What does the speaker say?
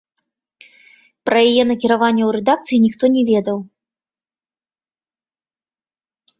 Пра яе накіраванне ў рэдакцыі ніхто не ведаў.